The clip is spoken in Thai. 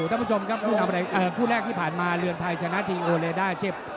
ท่านผู้ชมครับคู่แรกที่ผ่านมาเรือนไทยชนะทิงโอเลด้าเชฟ